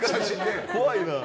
怖いな。